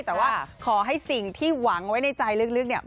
แต่ว่าขอให้สิ่งที่หวังไว้ในใจลึกเนี่ย